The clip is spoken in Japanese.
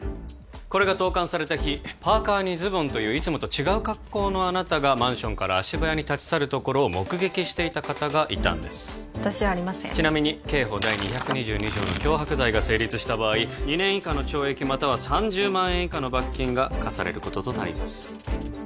これが投かんされた日パーカーにズボンといういつもと違う格好のあなたがマンションから足早に立ち去るところを目撃していた方がいたんです私じゃありませんちなみに刑法第２２２条の脅迫罪が成立した場合２年以下の懲役または３０万円以下の罰金が科されることとなります